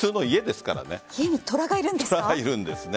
家に虎がいるんですか？